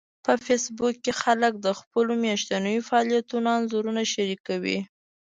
په فېسبوک کې خلک د خپلو میاشتنيو فعالیتونو انځورونه شریکوي